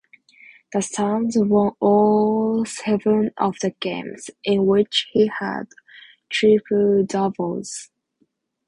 The Suns won all seven of the games in which he had triple-doubles.